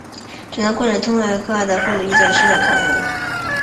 诊断过程通常会将个案的父母意见及师长意见列入考量。